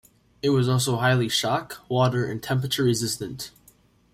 It was also highly shock-, water- and temperature-resistant.